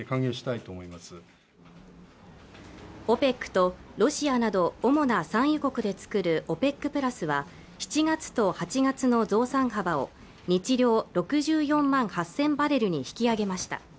ＯＰＥＣとロシアなど主な産油国で作るＯＰＥＣプラスは７月と８月の増産幅を日量６４万８０００バレルに引き上げました